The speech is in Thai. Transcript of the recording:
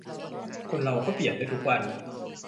คนเราก็เปลี่ยนได้ทุกวัน